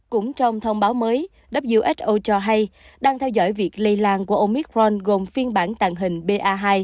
cũng trong thông báo mới wso cho hay đang theo dõi việc lây lan của omicron gồm phiên bản tàn hình ba hai